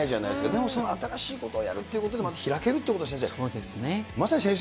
でも新しいことをやるってことでまた開けるということですよね、先生。